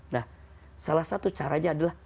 nah salah satu caranya adalah